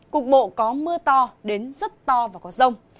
cục bộ có mưa to đến rất to và có rông